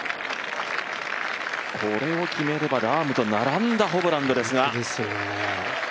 これを決めればラームと並んだホブランドですが。